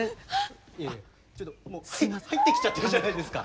いやいやちょっともう入ってきちゃってるじゃないですか。